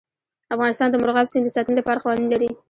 افغانستان د مورغاب سیند د ساتنې لپاره قوانین لري.